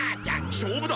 しょうぶだ！